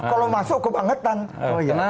kalau masuk kebangetan